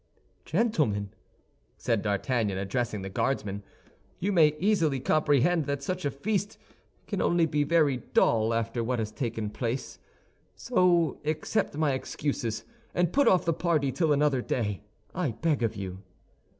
"Gentlemen," said D'Artagnan, addressing the Guardsmen, "you may easily comprehend that such a feast can only be very dull after what has taken place; so accept my excuses, and put off the party till another day, I beg of you."